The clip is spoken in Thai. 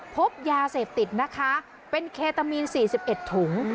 พบยาเสพติดนะคะเป็นเคตามีนสี่สิบเอ็ดถุง